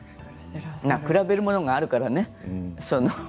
比べるものがあるからね。